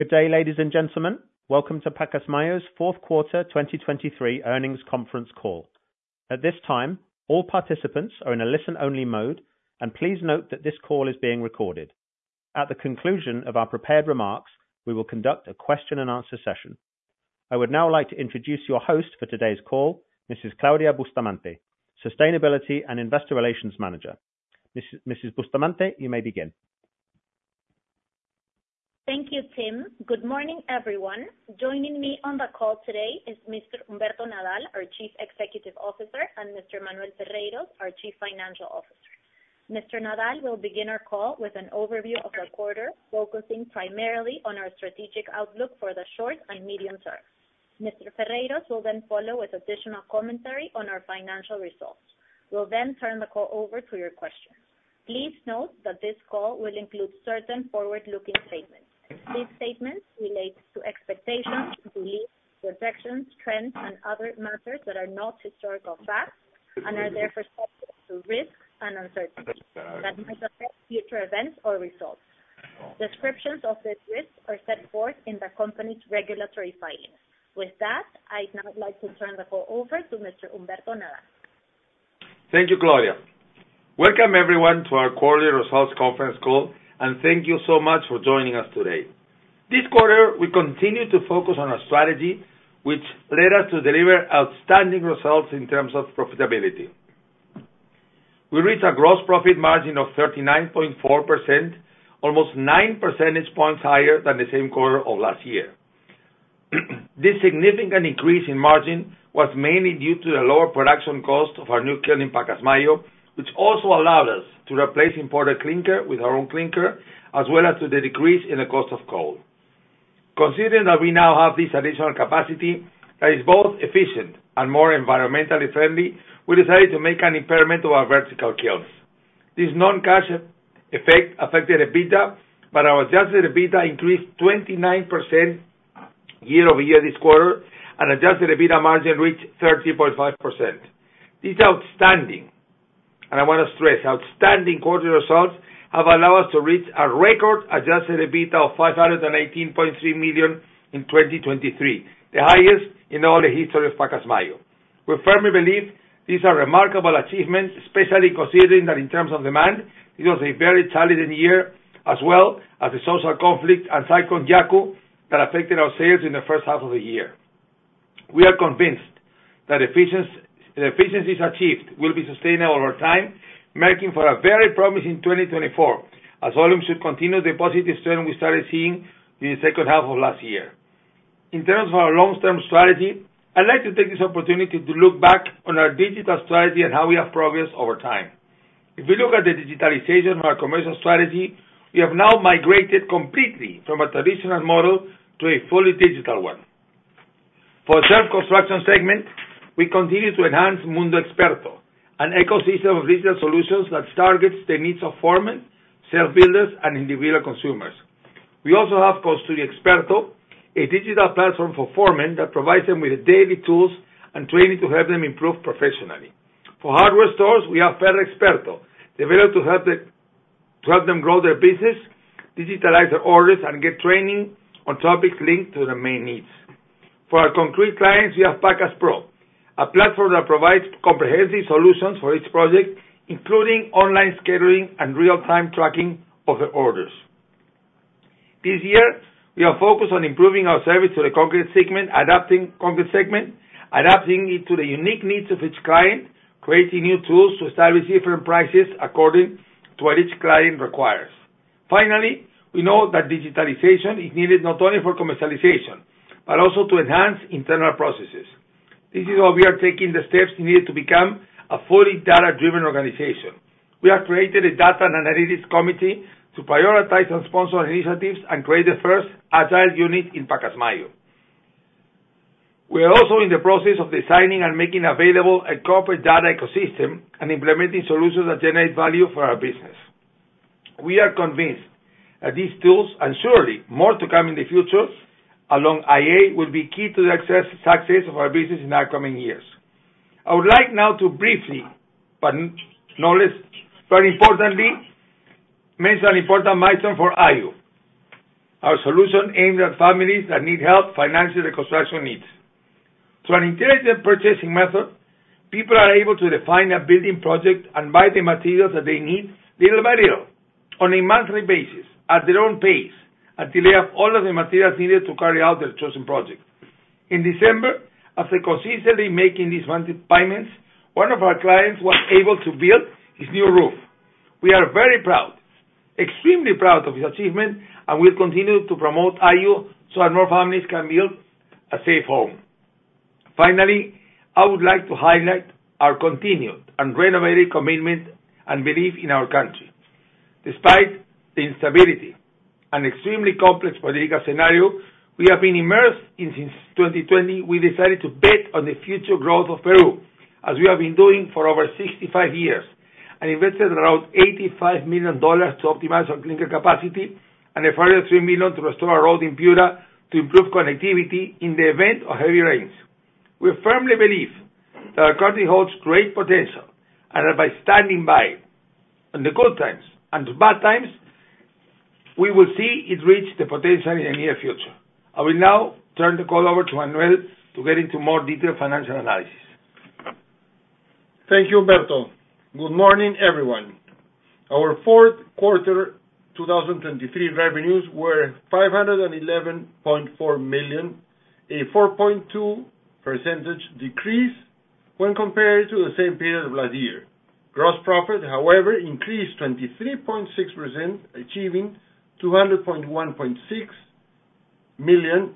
Good day, ladies and gentlemen. Welcome to Pacasmayo's fourth quarter 2023 earnings conference call. At this time, all participants are in a listen-only mode, and please note that this call is being recorded. At the conclusion of our prepared remarks, we will conduct a question-and-answer session. I would now like to introduce your host for today's call, Mrs. Claudia Bustamante, Sustainability and Investor Relations Manager. Mrs. Bustamante, you may begin. Thank you, Tim. Good morning, everyone. Joining me on the call today is Mr. Humberto Nadal, our Chief Executive Officer, and Mr. Manuel Ferreyros, our Chief Financial Officer. Mr. Nadal will begin our call with an overview of the quarter, focusing primarily on our strategic outlook for the short and medium term. Mr. Ferreyros will then follow with additional commentary on our financial results. We'll then turn the call over to your questions. Please note that this call will include certain forward-looking statements. These statements relate to expectations, beliefs, projections, trends, and other matters that are not historical facts and are therefore subject to risk and uncertainty that might affect future events or results. Descriptions of these risks are set forth in the company's regulatory filings. With that, I'd now like to turn the call over to Mr. Humberto Nadal. Thank you, Claudia. Welcome, everyone, to our quarterly results conference call, and thank you so much for joining us today. This quarter, we continue to focus on a strategy which led us to deliver outstanding results in terms of profitability. We reached a gross profit margin of 39.4%, almost 9 percentage points higher than the same quarter of last year. This significant increase in margin was mainly due to the lower production cost of our new kiln in Pacasmayo, which also allowed us to replace imported clinker with our own clinker, as well as to the decrease in the cost of coal. Considering that we now have this additional capacity that is both efficient and more environmentally friendly, we decided to make an impairment of our vertical kilns. This non-cash effect affected EBITDA, but our adjusted EBITDA increased 29% year-over-year this quarter, and adjusted EBITDA margin reached 30.5%. This is outstanding, and I want to stress, outstanding quarterly results have allowed us to reach a record adjusted EBITDA of PEN 518.3 million in 2023, the highest in all the history of Pacasmayo. We firmly believe these are remarkable achievements, especially considering that in terms of demand, it was a very challenging year, as well as the social conflict and Cyclone Yaku that affected our sales in the first half of the year. We are convinced that the efficiencies achieved will be sustainable over time, marking for a very promising 2024, as volumes should continue the positive trend we started seeing in the second half of last year. In terms of our long-term strategy, I'd like to take this opportunity to look back on our digital strategy and how we have progressed over time. If we look at the digitalization of our commercial strategy, we have now migrated completely from a traditional model to a fully digital one. For the self-construction segment, we continue to enhance Mundo Experto, an ecosystem of digital solutions that targets the needs of foremen, self-builders, and individual consumers. We also have Construye Experto, a digital platform for foremen that provides them with daily tools and training to help them improve professionally. For hardware stores, we have Ferre Experto, developed to help them grow their business, digitalize their orders, and get training on topics linked to their main needs. For our concrete clients, we have PacasPro, a platform that provides comprehensive solutions for each project, including online scheduling and real-time tracking of their orders. This year, we have focused on improving our service to the concrete segment, adapting it to the unique needs of each client, creating new tools to establish different prices according to what each client requires. Finally, we know that digitalization is needed not only for commercialization but also to enhance internal processes. This is why we are taking the steps needed to become a fully data-driven organization. We have created a data and analytics committee to prioritize and sponsor initiatives and create the first agile unit in Pacasmayo. We are also in the process of designing and making available a corporate data ecosystem and implementing solutions that generate value for our business. We are convinced that these tools, and surely more to come in the future along AI, will be key to the success of our business in the upcoming years. I would like now to briefly, but not least, very importantly, mention an important milestone for Iyu, our solution aimed at families that need help financing their construction needs. Through an intelligent purchasing method, people are able to define a building project and buy the materials that they need little by little, on a monthly basis, at their own pace, until they have all of the materials needed to carry out their chosen project. In December, after consistently making these monthly payments, one of our clients was able to build his new roof. We are very proud, extremely proud of his achievement, and will continue to promote Iyu so that more families can build a safe home. Finally, I would like to highlight our continued and renovated commitment and belief in our country. Despite the instability and extremely complex political scenario we have been immersed in since 2020, we decided to bet on the future growth of Peru, as we have been doing for over 65 years, and invested around $85 million to optimize our clinker capacity and another $3 million to restore a road in Piura to improve connectivity in the event of heavy rains. We firmly believe that our country holds great potential and that by standing by in the good times and the bad times, we will see it reach the potential in the near future. I will now turn the call over to Manuel to get into more detailed financial analysis. Thank you, Humberto. Good morning, everyone. Our fourth quarter 2023 revenues were PEN 511.4 million, a 4.2% decrease when compared to the same period of last year. Gross profit, however, increased 23.6%, achieving PEN 200.16 million,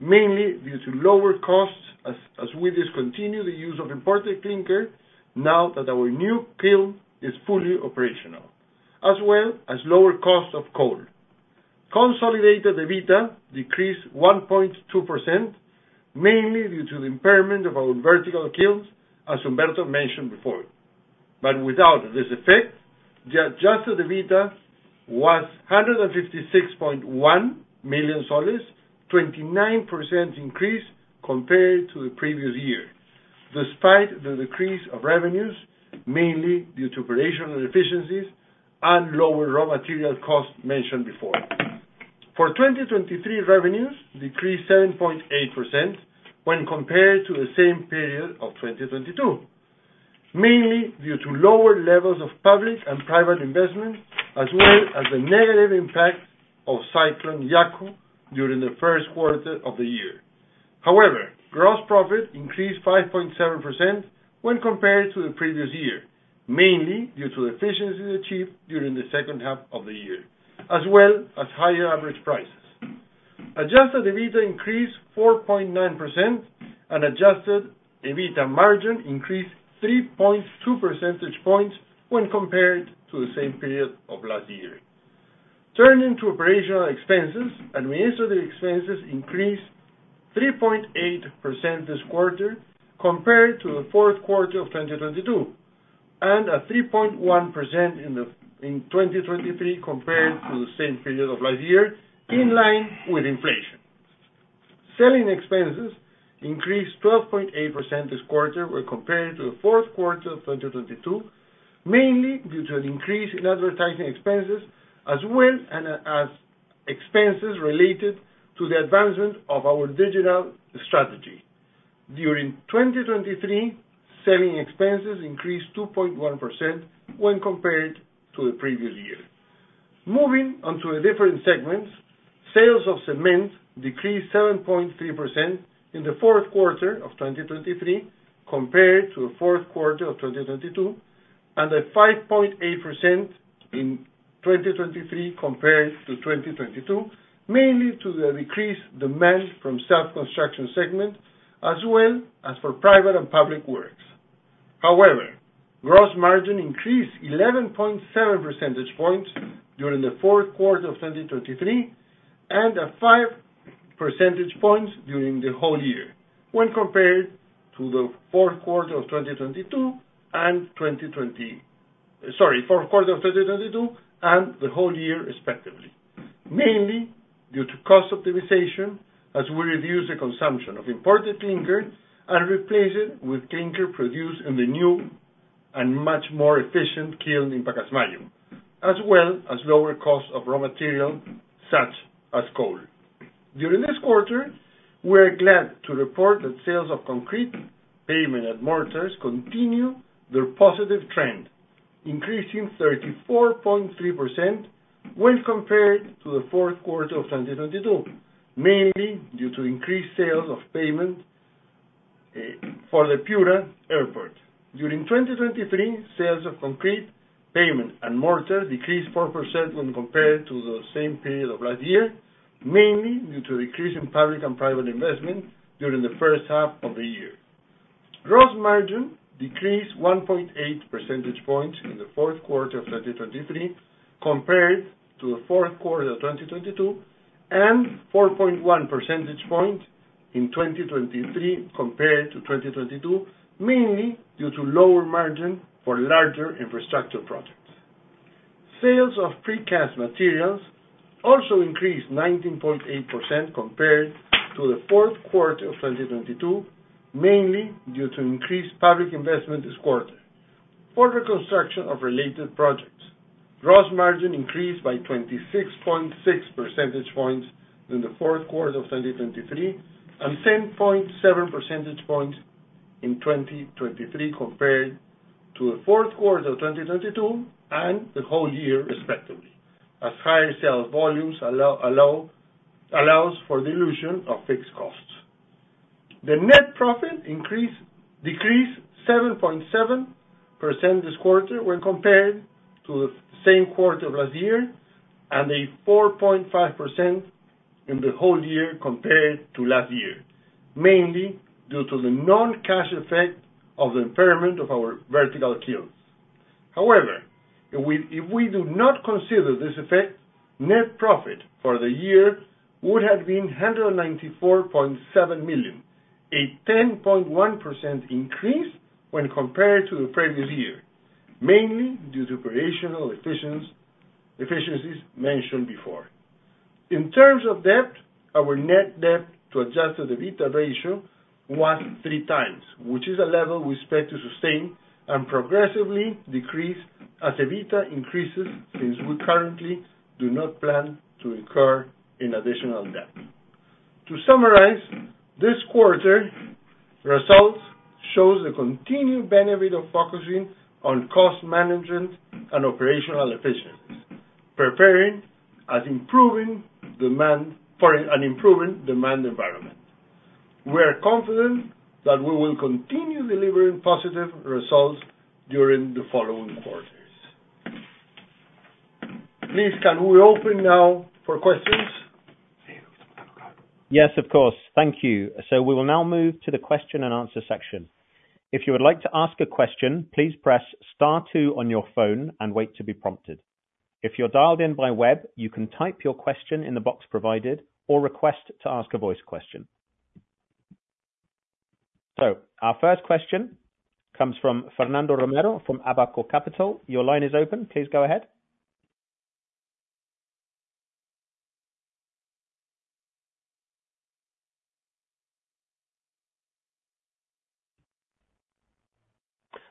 mainly due to lower costs as we discontinue the use of imported clinker now that our new kiln is fully operational, as well as lower cost of coal. Consolidated EBITDA decreased 1.2%, mainly due to the impairment of our Vertical Kilns, as Humberto mentioned before. But without this effect, the adjusted EBITDA was PEN 156.1 million, a 29% increase compared to the previous year, despite the decrease of revenues, mainly due to operational efficiencies and lower raw material costs mentioned before. For 2023 revenues, decreased 7.8% when compared to the same period of 2022, mainly due to lower levels of public and private investment, as well as the negative impact of Cyclone Yaku during the first quarter of the year. However, gross profit increased 5.7% when compared to the previous year, mainly due to the efficiencies achieved during the second half of the year, as well as higher average prices. Adjusted EBITDA increased 4.9%, and adjusted EBITDA margin increased 3.2 percentage points when compared to the same period of last year. Turning to operational expenses, administrative expenses increased 3.8% this quarter compared to the fourth quarter of 2022, and a 3.1% in 2023 compared to the same period of last year, in line with inflation. Selling expenses increased 12.8% this quarter when compared to the fourth quarter of 2022, mainly due to an increase in advertising expenses, as well as expenses related to the advancement of our digital strategy. During 2023, selling expenses increased 2.1% when compared to the previous year. Moving onto a different segment, sales of cement decreased 7.3% in the fourth quarter of 2023 compared to the fourth quarter of 2022, and a 5.8% in 2023 compared to 2022, mainly due to the decreased demand from the self-construction segment, as well as for private and public works. However, gross margin increased 11.7 percentage points during the fourth quarter of 2023 and a 5 percentage point during the whole year when compared to the fourth quarter of 2022 and the whole year, respectively, mainly due to cost optimization as we reduced the consumption of imported clinker and replaced it with clinker produced in the new and much more efficient kiln in Pacasmayo, as well as lower costs of raw material such as coal. During this quarter, we are glad to report that sales of concrete pavement and mortars continue their positive trend, increasing 34.3% when compared to the fourth quarter of 2022, mainly due to increased sales of pavement for the Piura airport. During 2023, sales of concrete pavement and mortars decreased 4% when compared to the same period of last year, mainly due to a decrease in public and private investment during the first half of the year. Gross margin decreased 1.8 percentage points in the fourth quarter of 2023 compared to the fourth quarter of 2022, and 4.1 percentage points in 2023 compared to 2022, mainly due to lower margin for larger infrastructure projects. Sales of precast materials also increased 19.8% compared to the fourth quarter of 2022, mainly due to increased public investment this quarter for the construction of related projects. Gross margin increased by 26.6 percentage points in the fourth quarter of 2023 and 10.7 percentage points in 2023 compared to the fourth quarter of 2022 and the whole year, respectively, as higher sales volumes allow for the dilution of fixed costs. The net profit decreased 7.7% this quarter when compared to the same quarter of last year and a 4.5% in the whole year compared to last year, mainly due to the non-cash effect of the impairment of our vertical kilns. However, if we do not consider this effect, net profit for the year would have been PEN 194.7 million, a 10.1% increase when compared to the previous year, mainly due to operational efficiencies mentioned before. In terms of debt, our net debt to adjusted EBITDA ratio was 3x, which is a level we expect to sustain and progressively decrease as EBITDA increases since we currently do not plan to incur any additional debt. To summarize, this quarter's results show the continued benefit of focusing on cost management and operational efficiencies, preparing and improving the demand environment. We are confident that we will continue delivering positive results during the following quarters. Please, can we open now for questions? Yes, of course. Thank you. So we will now move to the question and answer section. If you would like to ask a question, please press Star 2 on your phone and wait to be prompted. If you're dialed in by web, you can type your question in the box provided or request to ask a voice question. So our first question comes from Fernando Romero from Abaco Capital. Your line is open. Please go ahead.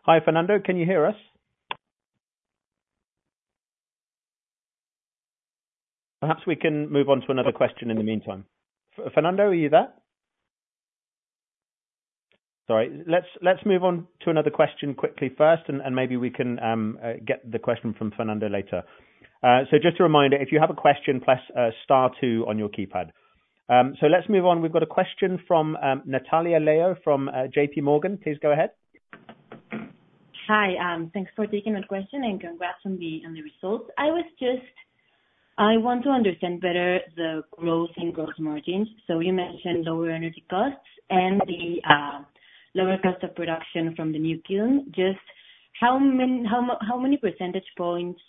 Hi, Fernando. Can you hear us? Perhaps we can move on to another question in the meantime. Fernando, are you there? Sorry. Let's move on to another question quickly first, and maybe we can get the question from Fernando later. So just a reminder, if you have a question, press Star 2 on your keypad. So let's move on. We've got a question from Natalia Leo from JP Morgan. Please go ahead. Hi. Thanks for taking that question, and congrats on the results. I want to understand better the growth in gross margins. So you mentioned lower energy costs and the lower cost of production from the new kiln. Just how many percentage points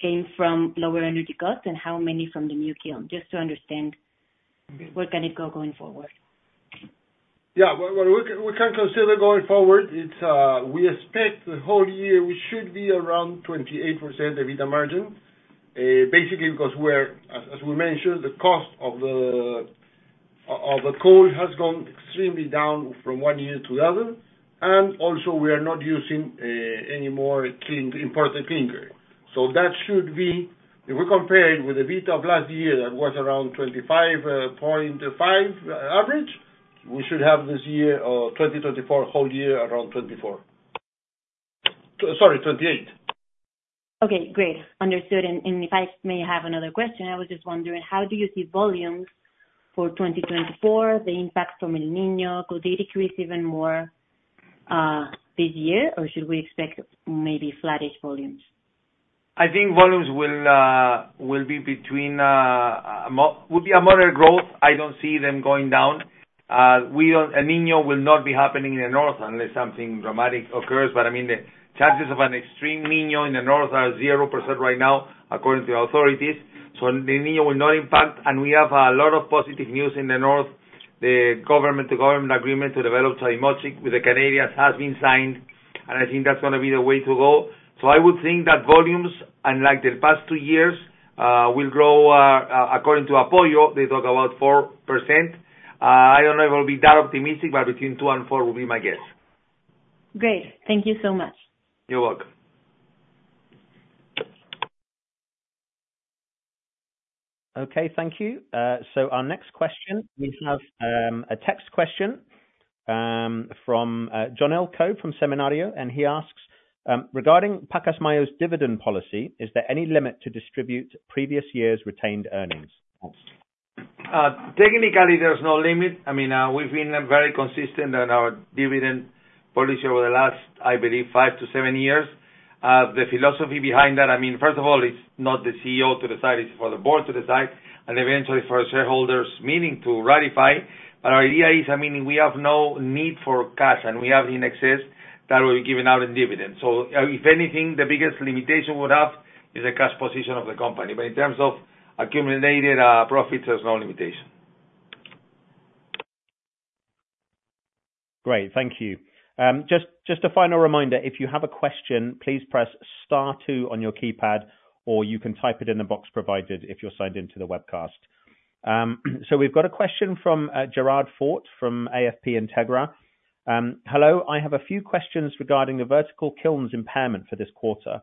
came from lower energy costs and how many from the new kiln, just to understand where can it go going forward? Yeah. What we can consider going forward, we expect the whole year we should be around 28% EBITDA margin, basically because we're, as we mentioned, the cost of the coal has gone extremely down from one year to the other. And also, we are not using any more imported clinker. So that should be, if we compare it with the EBITDA of last year that was around 25.5 average, we should have this year or 2024 whole year around 24. Sorry, 28. Okay. Great. Understood. If I may have another question, I was just wondering, how do you see volumes for 2024, the impact from El Niño, could they decrease even more this year, or should we expect maybe flattish volumes? I think volumes will be. It will be a moderate growth. I don't see them going down. El Niño will not be happening in the north unless something dramatic occurs. But I mean, the chances of an extreme Niño in the north are 0% right now, according to the authorities. So El Niño will not impact. And we have a lot of positive news in the north. The government-to-government agreement to develop Chavimochic with the Canadians has been signed, and I think that's going to be the way to go. So I would think that volumes, unlike the past two years, will grow according to Apoyo. They talk about 4%. I don't know if I'll be that optimistic, but between 2 and 4 will be my guess. Great. Thank you so much. You're welcome. Okay. Thank you. So our next question, we have a text question from Jonelco from Seminario, and he asks, "Regarding Pacasmayo's dividend policy, is there any limit to distribute previous year's retained earnings? Technically, there's no limit. I mean, we've been very consistent in our dividend policy over the last, I believe, 5-7 years. The philosophy behind that, I mean, first of all, it's not the CEO to decide. It's for the board to decide and eventually for shareholders' meeting to ratify. But our idea is, I mean, we have no need for cash, and we have in excess that will be given out in dividends. So if anything, the biggest limitation we have is the cash position of the company. But in terms of accumulated profits, there's no limitation. Great. Thank you. Just a final reminder, if you have a question, please press Star 2 on your keypad, or you can type it in the box provided if you're signed into the webcast. So we've got a question from Gerard Fort from AFP Integra. "Hello. I have a few questions regarding the Vertical Kilns' impairment for this quarter.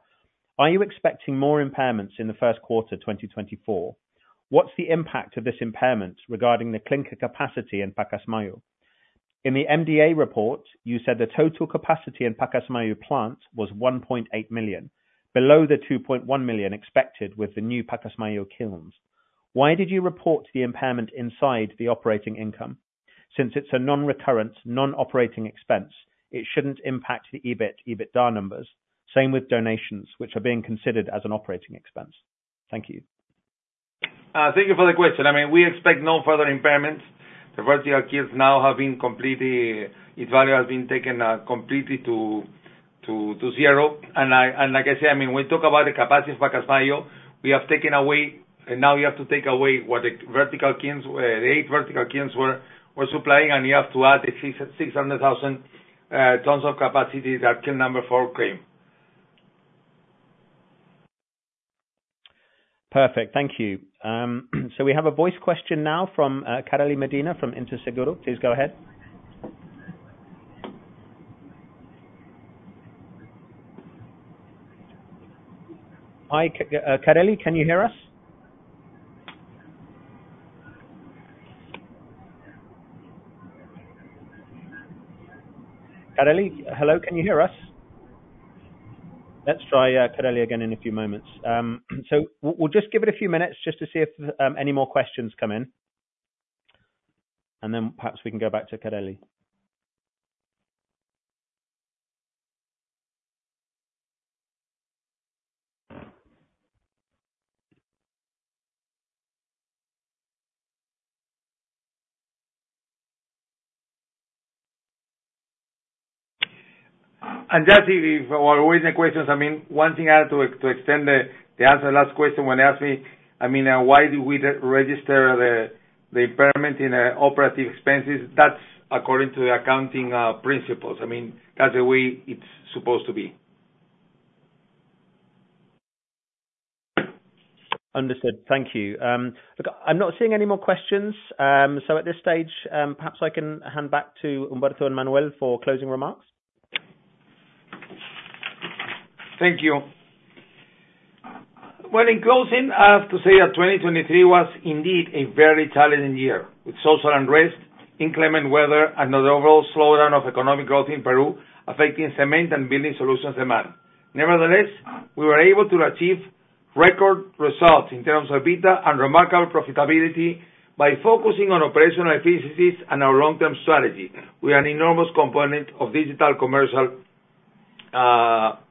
Are you expecting more impairments in the first quarter 2024? What's the impact of this impairment regarding the clinker capacity in Pacasmayo? In the MDA report, you said the total capacity in Pacasmayo plant was 1.8 million, below the 2.1 million expected with the new Pacasmayo kilns. Why did you report the impairment inside the operating income? Since it's a non-recurrent, non-operating expense, it shouldn't impact the EBIT/EBITDA numbers. Same with donations, which are being considered as an operating expense." Thank you. Thank you for the question. I mean, we expect no further impairments. The vertical kilns now have been completely, its value has been taken completely to zero. And like I said, I mean, we talk about the capacity of Pacasmayo. We have taken away and now you have to take away what the vertical kilns, the 8 vertical kilns were supplying, and you have to add the 600,000 tons of capacity that Kiln Number 4 claimed. Perfect. Thank you. So we have a voice question now from Kareli Medina from Interseguro. Please go ahead. Hi, Kareli. Can you hear us? Kareli? Hello? Can you hear us? Let's try Kareli again in a few moments. So we'll just give it a few minutes just to see if any more questions come in, and then perhaps we can go back to Kareli. That's easy. While waiting for questions, I mean, one thing I had to extend the answer to the last question when they asked me, I mean, why do we register the impairment in operating expenses? That's according to the accounting principles. I mean, that's the way it's supposed to be. Understood. Thank you. Look, I'm not seeing any more questions. So at this stage, perhaps I can hand back to Humberto and Manuel for closing remarks. Thank you. Well, in closing, I have to say that 2023 was indeed a very challenging year with social unrest, inclement weather, and an overall slowdown of economic growth in Peru affecting cement and building solutions demand. Nevertheless, we were able to achieve record results in terms of EBITDA and remarkable profitability by focusing on operational efficiencies and our long-term strategy with an enormous component of digital commercial tools.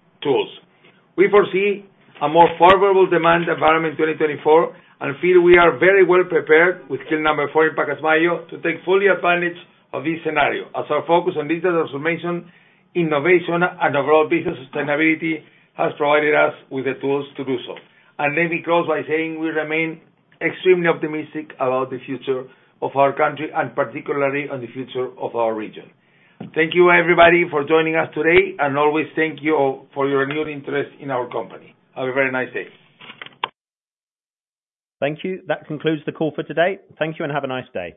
We foresee a more favorable demand environment in 2024 and feel we are very well prepared with kiln number 4 in Pacasmayo to take fully advantage of this scenario as our focus on digital transformation, innovation, and overall business sustainability has provided us with the tools to do so. Let me close by saying we remain extremely optimistic about the future of our country and particularly on the future of our region. Thank you, everybody, for joining us today, and always thank you for your renewed interest in our company. Have a very nice day. Thank you. That concludes the call for today. Thank you and have a nice day.